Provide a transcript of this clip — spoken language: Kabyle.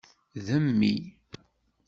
D mmi.